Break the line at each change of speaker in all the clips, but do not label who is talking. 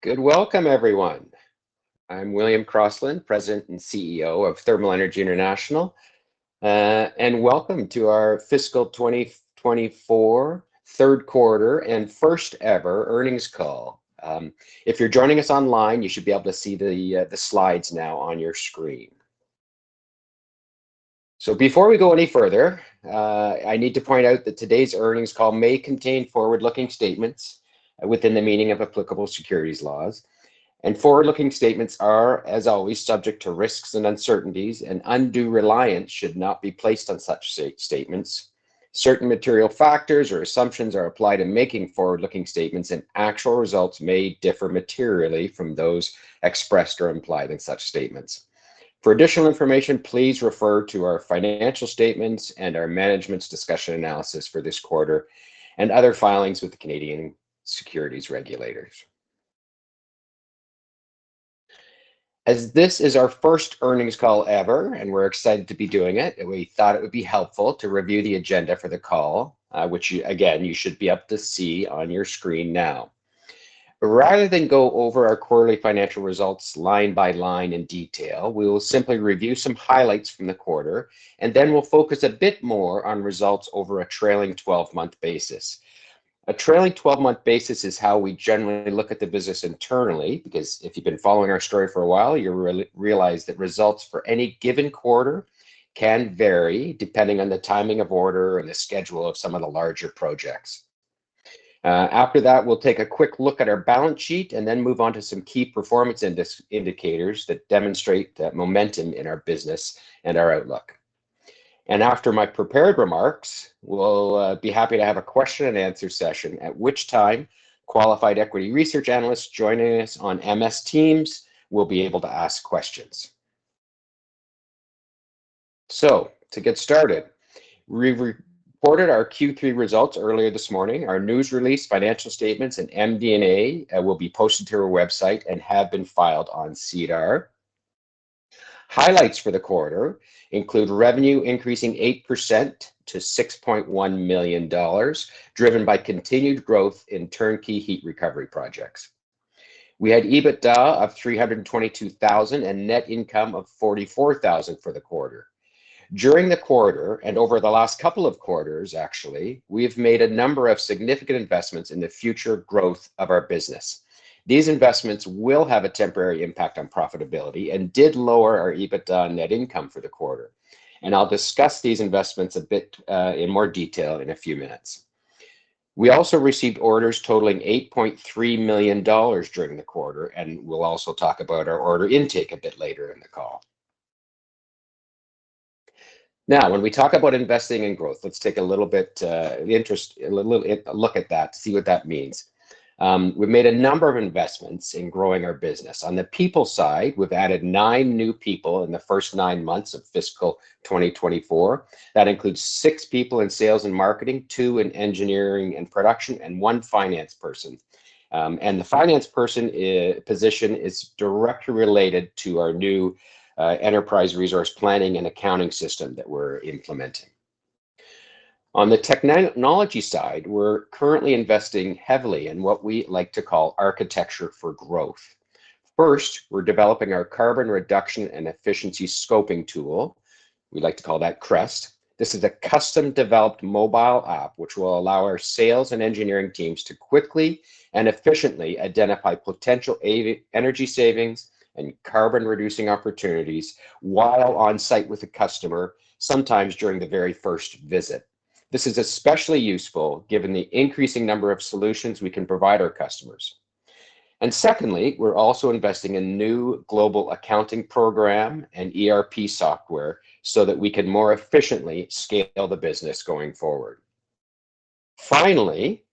Good welcome, everyone. I'm William Crossland, President and CEO of Thermal Energy International, and welcome to our fiscal 2024 third quarter and first-ever earnings call. If you're joining us online, you should be able to see the slides now on your screen. So before we go any further, I need to point out that today's earnings call may contain forward-looking statements within the meaning of applicable securities laws. And forward-looking statements are, as always, subject to risks and uncertainties, and undue reliance should not be placed on such statements. Certain material factors or assumptions are applied in making forward-looking statements, and actual results may differ materially from those expressed or implied in such statements. For additional information, please refer to our financial statements and our management's discussion analysis for this quarter and other filings with Canadian securities regulators. As this is our first earnings call ever, and we're excited to be doing it, we thought it would be helpful to review the agenda for the call, which you should be able to see on your screen now. Rather than go over our quarterly financial results line by line in detail, we will simply review some highlights from the quarter, and then we'll focus a bit more on results over a trailing 12-month basis. A trailing 12-month basis is how we generally look at the business internally, because if you've been following our story for a while, you really realize that results for any given quarter can vary depending on the timing of orders and the schedule of some of the larger projects. After that, we'll take a quick look at our balance sheet and then move on to some key performance indicators that demonstrate that momentum in our business and our outlook. After my prepared remarks, we'll be happy to have a question-and-answer session, at which time qualified equity research analysts joining us on MS Teams will be able to ask questions. To get started, we reported our Q3 results earlier this morning. Our news release, financial statements, and MD&A will be posted to our website and have been filed on SEDAR. Highlights for the quarter include revenue increasing 8% to 6.1 million dollars, driven by continued growth in turnkey heat recovery projects. We had EBITDA of 322,000 and net income of 44,000 for the quarter. During the quarter and over the last couple of quarters, actually, we have made a number of significant investments in the future growth of our business. These investments will have a temporary impact on profitability and did lower our EBITDA net income for the quarter, and I'll discuss these investments a bit, in more detail in a few minutes. We also received orders totaling 8.3 million dollars during the quarter, and we'll also talk about our order intake a bit later in the call. Now, when we talk about investing in growth, let's take a little interest and look at that, see what that means. We've made a number of investments in growing our business. On the people side, we've added nine new people in the first nine months of fiscal 2024. That includes six people in sales and marketing, two in engineering and production, and one finance person. The finance person position is directly related to our new enterprise resource planning and accounting system that we're implementing. On the technology side, we're currently investing heavily in what we like to call architecture for growth. First, we're developing our Carbon Reduction and Efficiency Scoping Tool. We like to call that CREST. This is a custom-developed mobile app which will allow our sales and engineering teams to quickly and efficiently identify potential energy savings and carbon-reducing opportunities while on-site with the customer, sometimes during the very first visit. This is especially useful given the increasing number of solutions we can provide our customers. And secondly, we're also investing in new global accounting program and ERP software so that we can more efficiently scale the business going forward. Finally,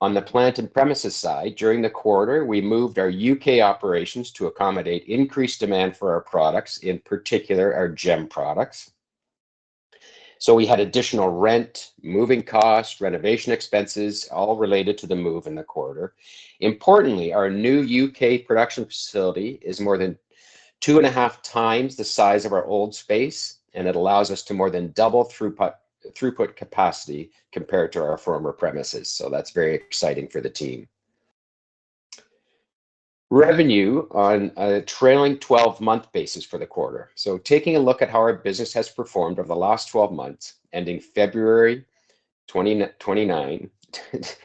on the plant and premises side, during the quarter, we moved our U.K. operations to accommodate increased demand for our products, in particular our GEM products. So we had additional rent, moving costs, renovation expenses, all related to the move in the quarter. Importantly, our new U.K. production facility is more than two and a half times the size of our old space, and it allows us to more than double throughput capacity compared to our former premises. So that's very exciting for the team. Revenue on a trailing 12-month basis for the quarter. So taking a look at how our business has performed over the last 12 months, ending February 29,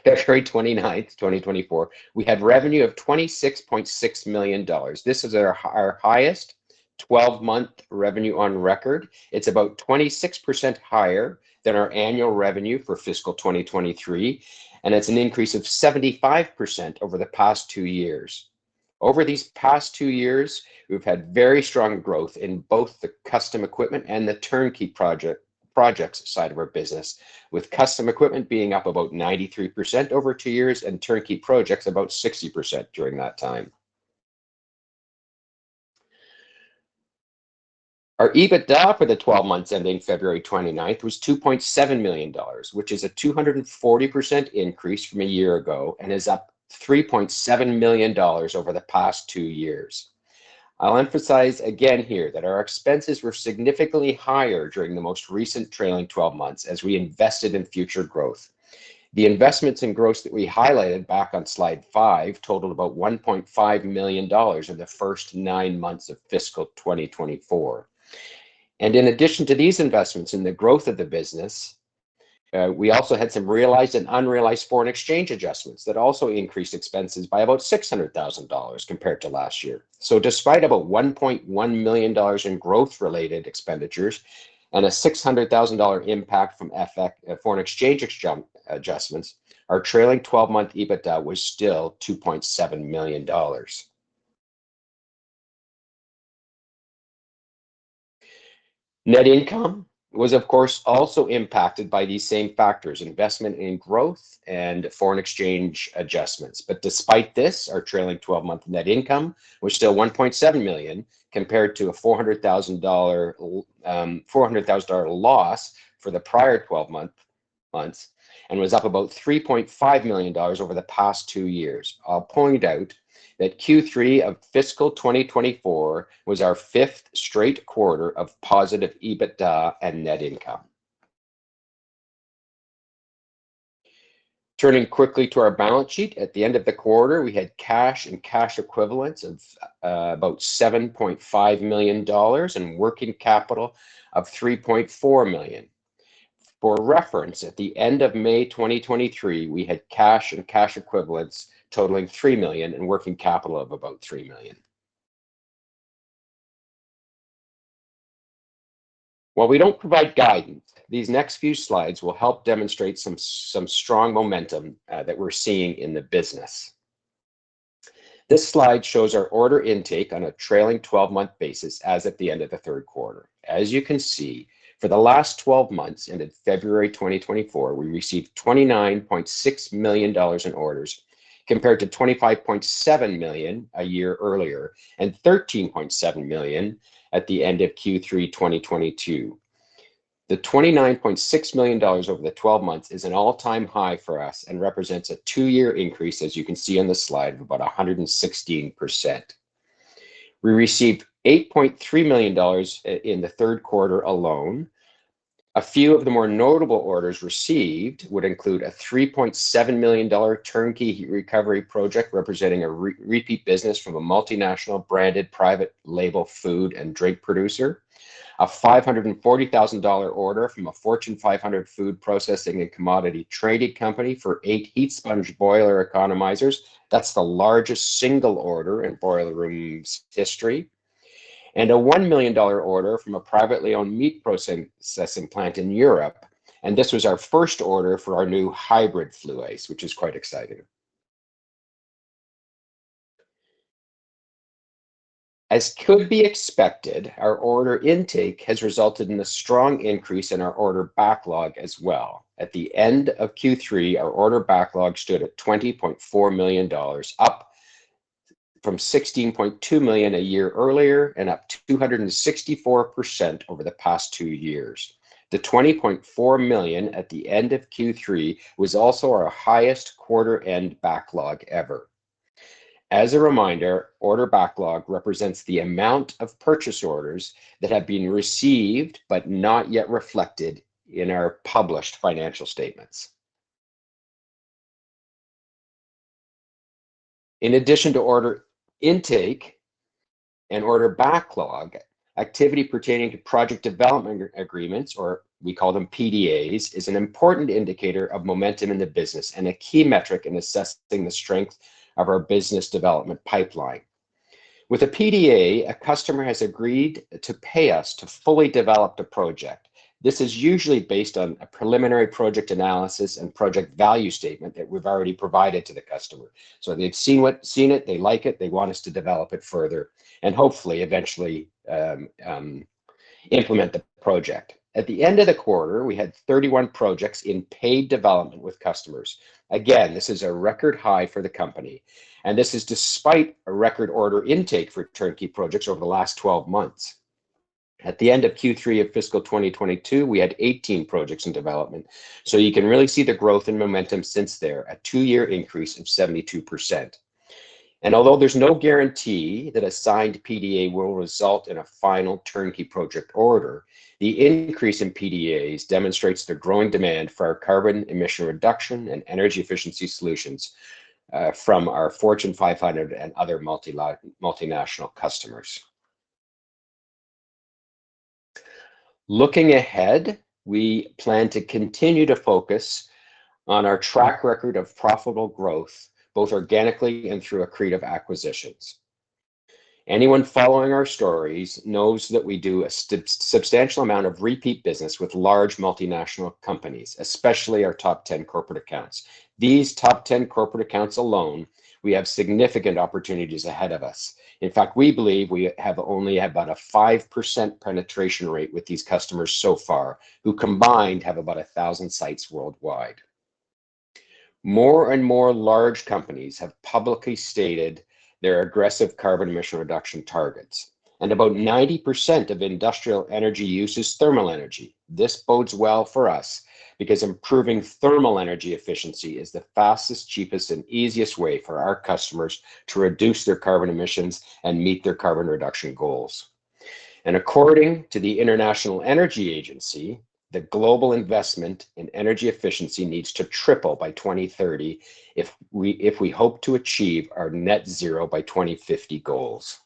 2024, we had revenue of 26.6 million dollars. This is our highest 12-month revenue on record. It's about 26% higher than our annual revenue for fiscal 2023, and it's an increase of 75% over the past two years. Over these past two years, we've had very strong growth in both the custom equipment and the turnkey project projects side of our business, with custom equipment being up about 93% over two years and turnkey projects about 60% during that time. Our EBITDA for the 12 months ending February 29th was 2.7 million dollars, which is a 240% increase from a year ago and is up 3.7 million dollars over the past two years. I'll emphasize again here that our expenses were significantly higher during the most recent trailing 12 months as we invested in future growth. The investments in growth that we highlighted back on slide five totaled about 1.5 million dollars in the first nine months of fiscal 2024. In addition to these investments in the growth of the business, we also had some realized and unrealized foreign exchange adjustments that also increased expenses by about 600,000 dollars compared to last year. Despite about 1.1 million dollars in growth-related expenditures and a 600,000 dollar impact from FX foreign exchange adjustments, our trailing 12-month EBITDA was still 2.7 million dollars. Net income was, of course, also impacted by these same factors, investment in growth and foreign exchange adjustments. Despite this, our trailing 12-month net income was still 1.7 million compared to a 400,000 dollar loss for the prior 12 months and was up about 3.5 million dollars over the past two years. I'll point out that Q3 of fiscal 2024 was our fifth straight quarter of positive EBITDA and net income. Turning quickly to our balance sheet, at the end of the quarter, we had cash and cash equivalents of about 7.5 million dollars and working capital of 3.4 million. For reference, at the end of May 2023, we had cash and cash equivalents totaling 3 million and working capital of about 3 million. While we don't provide guidance, these next few slides will help demonstrate some strong momentum that we're seeing in the business. This slide shows our order intake on a trailing 12-month basis as at the end of the third quarter. As you can see, for the last 12 months ended February 2024, we received 29.6 million dollars in orders compared to 25.7 million a year earlier and 13.7 million at the end of Q3 2022. The 29.6 million dollars over the 12 months is an all-time high for us and represents a two-year increase, as you can see on the slide, of about 116%. We received 8.3 million dollars in the third quarter alone. A few of the more notable orders received would include a 3.7 million dollar turnkey heat recovery project representing a repeat business from a multinational branded private label food and drink producer, a 540,000 dollar order from a Fortune 500 food processing and commodity trading company for eight HeatSponge boiler economizers, that's the largest single order in Boilerroom's history, and a 1 million dollar order from a privately owned meat processing plant in Europe. And this was our first order for our new hybrid FLU-ACE, which is quite exciting. As could be expected, our order intake has resulted in a strong increase in our order backlog as well. At the end of Q3, our order backlog stood at 20.4 million dollars, up from 16.2 million a year earlier and up 264% over the past two years. The 20.4 million at the end of Q3 was also our highest quarter-end backlog ever. As a reminder, order backlog represents the amount of purchase orders that have been received but not yet reflected in our published financial statements. In addition to order intake and order backlog, activity pertaining to project development agreements, or we call them PDAs, is an important indicator of momentum in the business and a key metric in assessing the strength of our business development pipeline. With a PDA, a customer has agreed to pay us to fully develop the project. This is usually based on a preliminary project analysis and project value statement that we've already provided to the customer. So they've seen what we've seen in it. They like it, they want us to develop it further, and hopefully, eventually, implement the project. At the end of the quarter, we had 31 projects in paid development with customers. Again, this is a record high for the company, and this is despite a record order intake for turnkey projects over the last 12 months. At the end of Q3 of fiscal 2022, we had 18 projects in development. So you can really see the growth and momentum since then, a two-year increase of 72%. And although there's no guarantee that a signed PDA will result in a final turnkey project order, the increase in PDAs demonstrates the growing demand for our carbon emission reduction and energy efficiency solutions, from our Fortune 500 and other multinational customers. Looking ahead, we plan to continue to focus on our track record of profitable growth, both organically and through accretive acquisitions. Anyone following our stories knows that we do a substantial amount of repeat business with large multinational companies, especially our top 10 corporate accounts. These top 10 corporate accounts alone, we have significant opportunities ahead of us. In fact, we believe we have only about a 5% penetration rate with these customers so far, who combined have about 1,000 sites worldwide. More and more large companies have publicly stated their aggressive carbon emission reduction targets, and about 90% of industrial energy use is thermal energy. This bodes well for us because improving thermal energy efficiency is the fastest, cheapest, and easiest way for our customers to reduce their carbon emissions and meet their carbon reduction goals. According to the International Energy Agency, the global investment in energy efficiency needs to triple by 2030 if we hope to achieve our net zero by 2050 goals.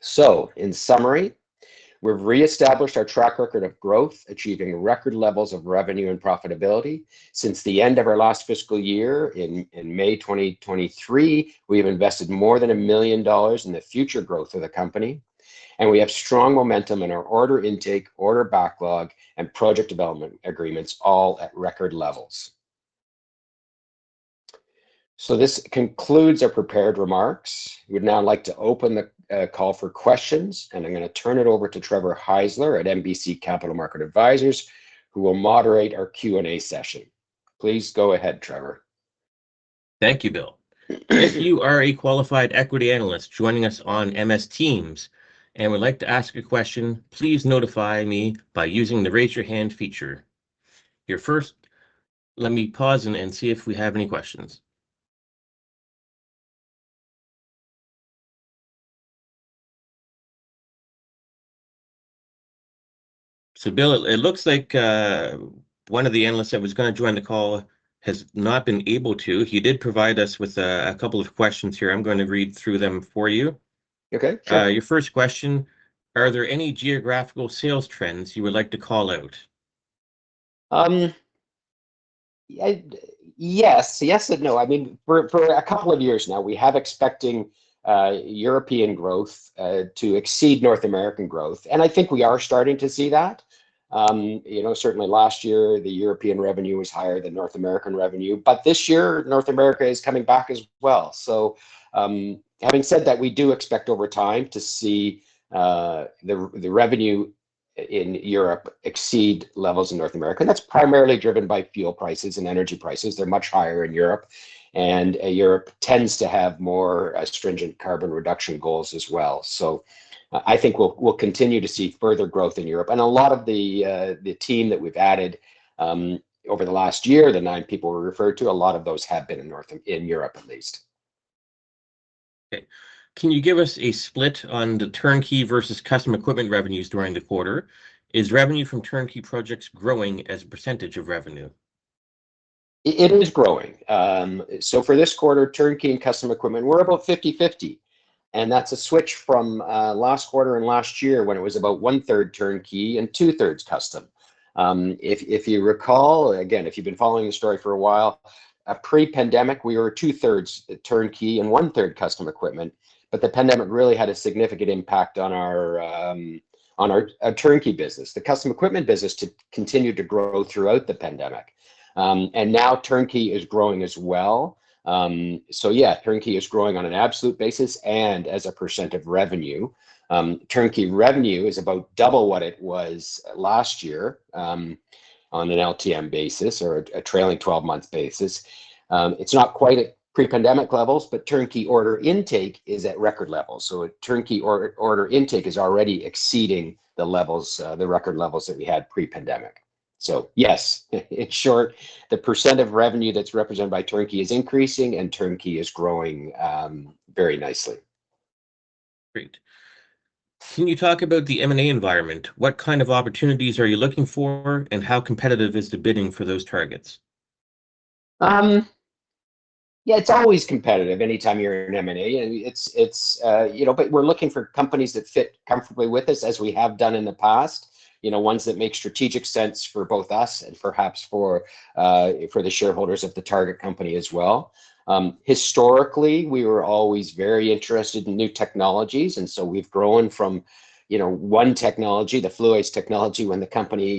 So, in summary, we've reestablished our track record of growth, achieving record levels of revenue and profitability. Since the end of our last fiscal year, in May 2023, we have invested more than 1 million dollars in the future growth of the company, and we have strong momentum in our order intake, order backlog, and project development agreements, all at record levels. So this concludes our prepared remarks. We'd now like to open the call for questions, and I'm going to turn it over to Trevor Heisler at MBC Capital Markets Advisors, who will moderate our Q&A session. Please go ahead, Trevor.
Thank you, Bill. If you are a qualified equity analyst joining us on MS Teams, and would like to ask a question, please notify me by using the raise your hand feature. Otherwise, let me pause and see if we have any questions. So, Bill, it looks like, one of the analysts that was going to join the call has not been able to. He did provide us with a couple of questions here. I'm going to read through them for you.
Okay, sure.
Your first question: Are there any geographical sales trends you would like to call out?
Yes. Yes and no. I mean, for a couple of years now, we have been expecting European growth to exceed North American growth, and I think we are starting to see that. You know, certainly last year, the European revenue was higher than North American revenue, but this year, North America is coming back as well. So, having said that, we do expect over time to see the revenue in Europe exceed levels in North America, and that's primarily driven by fuel prices and energy prices. They're much higher in Europe, and Europe tends to have more stringent carbon reduction goals as well. So I think we'll continue to see further growth in Europe. And a lot of the team that we've added over the last year, the nine people we referred to, a lot of those have been in Northern Europe, at least.
Okay. Can you give us a split on the turnkey versus custom equipment revenues during the quarter? Is revenue from turnkey projects growing as a percentage of revenue?
It is growing. So for this quarter, turnkey and custom equipment, we're about 50/50, and that's a switch from last quarter and last year when it was about 1/3 turnkey and 2/3 custom. If you recall, again, if you've been following the story for a while, pre-pandemic, we were 2/3 turnkey and 1/3 custom equipment, but the pandemic really had a significant impact on our turnkey business. The custom equipment business continued to grow throughout the pandemic, and now turnkey is growing as well. So yeah, turnkey is growing on an absolute basis and as a percent of revenue. Turnkey revenue is about double what it was last year, on an LTM basis or a trailing 12-month basis. It's not quite at pre-pandemic levels, but turnkey order intake is at record levels. So turnkey order intake is already exceeding the levels, the record levels that we had pre-pandemic. So yes, in short, the percent of revenue that's represented by turnkey is increasing, and turnkey is growing very nicely.
Great. Can you talk about the M&A environment? What kind of opportunities are you looking for, and how competitive is the bidding for those targets?
Yeah, it's always competitive anytime you're in M&A. And it's, it's, you know, but we're looking for companies that fit comfortably with us, as we have done in the past, you know, ones that make strategic sense for both us and perhaps for, for the shareholders of the target company as well. Historically, we were always very interested in new technologies, and so we've grown from, you know, one technology, the FLU-ACE technology, when the company,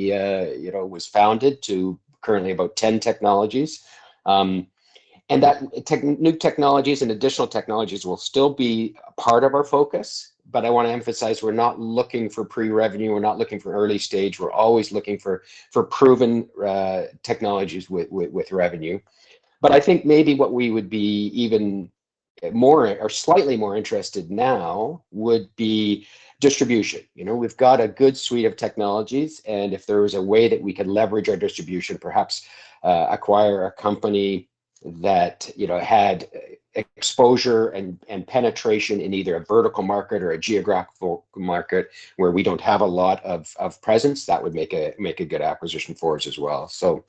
you know, was founded, to currently about 10 technologies. And that new technologies and additional technologies will still be a part of our focus, but I want to emphasize, we're not looking for pre-revenue, we're not looking for early stage, we're always looking for proven, technologies with revenue. But I think maybe what we would be even more or slightly more interested now would be distribution. You know, we've got a good suite of technologies, and if there was a way that we could leverage our distribution, perhaps acquire a company that, you know, had exposure and penetration in either a vertical market or a geographical market where we don't have a lot of presence, that would make a good acquisition for us as well. So,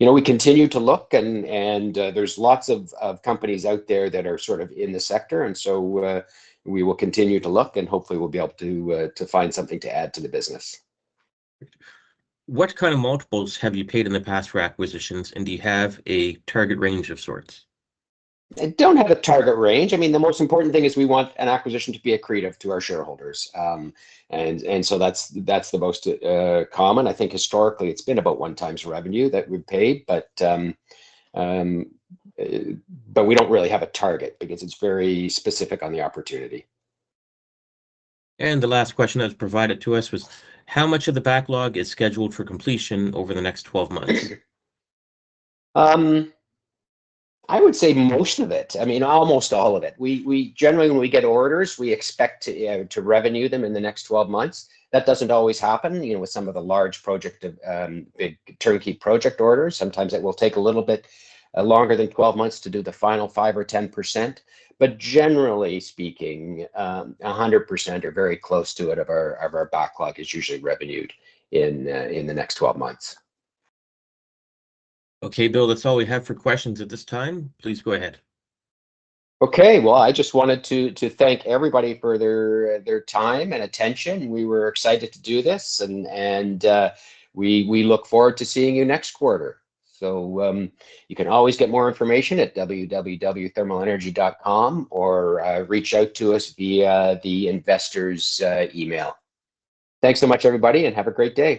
you know, we continue to look, and there's lots of companies out there that are sort of in the sector, and so we will continue to look, and hopefully we'll be able to find something to add to the business.
What kind of multiples have you paid in the past for acquisitions, and do you have a target range of sorts?
I don't have a target range. I mean, the most important thing is we want an acquisition to be accretive to our shareholders. And so that's the most common. I think historically, it's been about 1x revenue that we've paid, but we don't really have a target because it's very specific on the opportunity.
The last question that was provided to us was: How much of the backlog is scheduled for completion over the next 12 months?
I would say most of it. I mean, almost all of it. We generally, when we get orders, we expect to revenue them in the next 12 months. That doesn't always happen, you know, with some of the large project big turnkey project orders. Sometimes it will take a little bit longer than 12 months to do the final 5% or 10%, but generally speaking, 100% or very close to it of our backlog is usually revenued in the next 12 months.
Okay, Bill, that's all we have for questions at this time. Please go ahead.
Okay, well, I just wanted to thank everybody for their time and attention. We were excited to do this, and we look forward to seeing you next quarter. So you can always get more information at www.thermalenergy.com or reach out to us via the investor's email. Thanks so much, everybody, and have a great day.